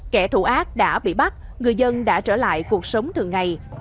kẻ thủ ác đã bị bắt người dân đã trở lại cuộc sống thường ngày